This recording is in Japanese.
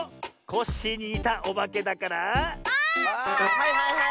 はいはいはい！